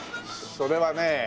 それはね